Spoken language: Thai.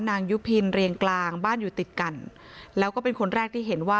ยุพินเรียงกลางบ้านอยู่ติดกันแล้วก็เป็นคนแรกที่เห็นว่า